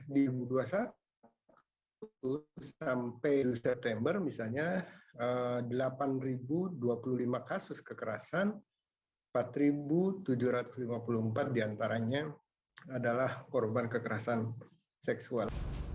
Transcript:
di dua ribu dua puluh satu sampai september misalnya delapan dua puluh lima kasus kekerasan empat tujuh ratus lima puluh empat diantaranya adalah korban kekerasan seksual